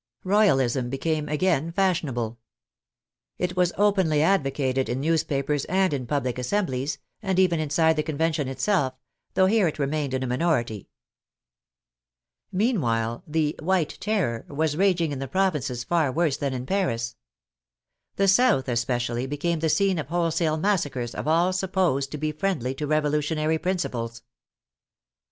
Royalism became again fashionable. It was openly advocated in newspapers and in public assemblies, and even inside the Convention itself, though here it remained in a minority. 102 THE FRENCH REVOLUTION Meanwhile, the "White Terror" was raging in the provinces far worse than in Paris. The South, especially, became the scene of wholesale massacres of all supposed to be friendly to revolutionary principles.